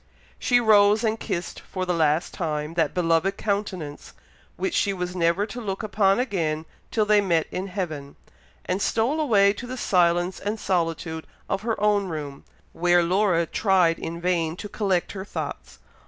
She rose and kissed, for the last time, that beloved countenance, which she was never to look upon again till they met in heaven, and stole away to the silence and solitude of her own room, where Laura tried in vain to collect her thoughts.